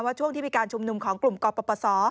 ช่วงที่มีการชุมนุมของกลุ่มกปศ